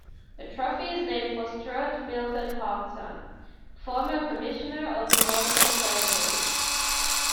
The trophy is named for Stuart Milton Hodgson, former Commissioner of the Northwest Territories.